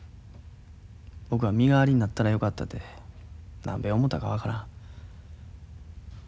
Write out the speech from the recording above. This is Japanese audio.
僕が身代わりになったらよかったて何べん思うたか分からん。